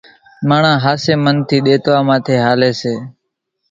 ماڻۿان ۿاسي منَ ٿي ۮيتوا ماٿي ھالي سي